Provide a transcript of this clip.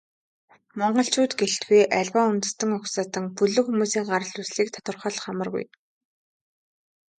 Монголчууд гэлтгүй, аливаа үндэстэн угсаатан, бүлэг хүмүүсийн гарал үүслийг тодорхойлох амаргүй.